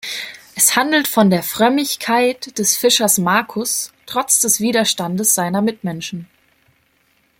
Es handelt von der Frömmigkeit des Fischers Markus, trotz des Widerstandes seiner Mitmenschen.